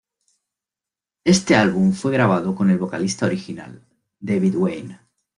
Este álbum fue grabado con el vocalista original, David Wayne.